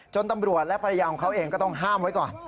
ตำรวจและภรรยาของเขาเองก็ต้องห้ามไว้ก่อน